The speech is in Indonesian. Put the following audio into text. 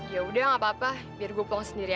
yaudah gak apa apa biar gue pulang sendiri aja